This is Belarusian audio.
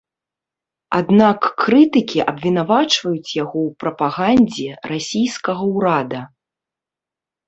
Аднак крытыкі абвінавачваюць яго ў прапагандзе расійскага ўрада.